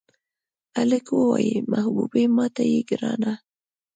هلک ووې محبوبې ماته یې ګرانه.